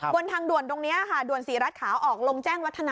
บนทางด่วนตรงนี้ค่ะด่วนศรีรัฐขาออกลงแจ้งวัฒนา